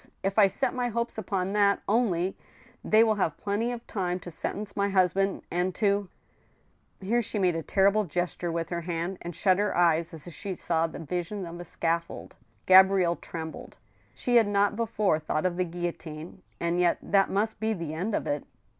If I set my hopes upon that only, they will have plenty of time to sentence my hus band, and to—" Here she made a terrible gesture with her hand, and shut her eyes, as if she saw the vision of a scaffold. Gabrielle trembled. She had not before thought of the guillotine, and yet that must be the end of it.